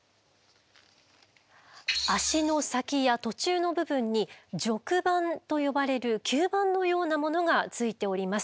足の先や途中の部分に褥盤と呼ばれる吸盤のようなものがついております。